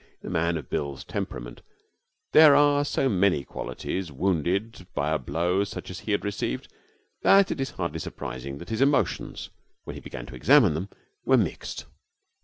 In a man of Bill's temperament there are so many qualities wounded by a blow such as he had received, that it is hardly surprising that his emotions, when he began to examine them, were mixed.